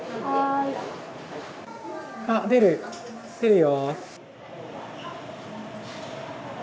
あっ、出る、出るよ。